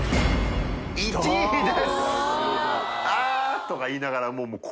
あぁ！とか言いながらも森川）